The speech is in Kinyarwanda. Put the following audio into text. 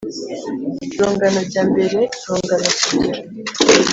Rungano jya mbere, rungano sugira